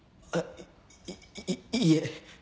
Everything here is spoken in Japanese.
いいいえ。